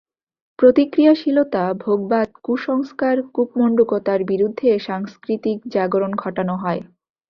প্রতিক্রিয়াশীলতা, ভোগবাদ, কুসংস্কার, কূপমণ্ডূকতার বিরুদ্ধে সাংস্কৃতিক জাগরণ ঘটানো হয়।